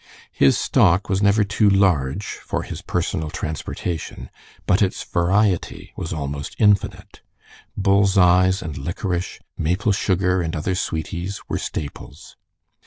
His stock was never too large for his personal transportation, but its variety was almost infinite, bull's eyes and liquorice, maple sugar and other "sweeties," were staples.